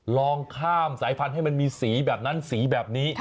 ลองข้ามสายพันธุ์ให้มันมีสีแบบนั้นสีแบบนี้